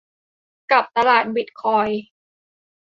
กับตลาดบิตคอยน์